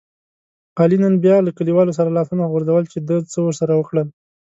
علي نن بیا له کلیوالو سره لاسونه غورځول چې ده څه ورسره وکړل.